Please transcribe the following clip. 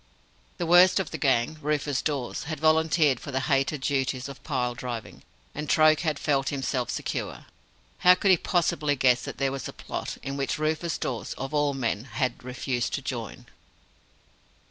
The worst of the gang, Rufus Dawes, had volunteered for the hated duties of pile driving, and Troke had felt himself secure. How could he possibly guess that there was a plot, in which Rufus Dawes, of all men, had refused to join?